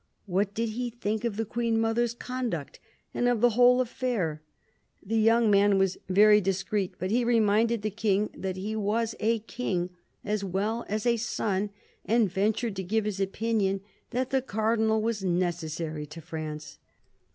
What did he think of the Queen mother's conduct, and of the whole affair ? The young man was very dis creet ; but he reminded the King that he was a king, as well as a son, and ventured to give his opinion that " the Cardinal was necessary to France."